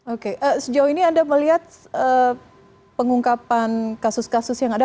oke sejauh ini anda melihat pengungkapan kasus kasus yang ada